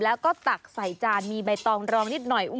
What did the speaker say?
แล้วก็ตักใส่จานมีใบตองรองนิดหน่อย